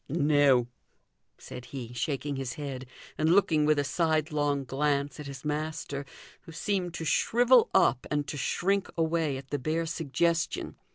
"No!" said he, shaking his head, and looking with a sidelong glance at his master, who seemed to shrivel up and to shrink away at the bare suggestion.